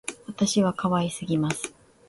私は可愛すぎます